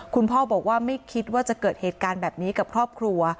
คุณพ่อบอกว่าไม่คิดว่าจะเกิดเหตุการณ์แบบนี้กับครอบครัว